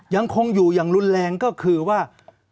ยังคงอยู่อย่างรุนแรงก็คือว่า